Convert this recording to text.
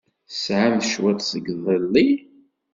Testeɛamt cwiṭ seg iḍelli?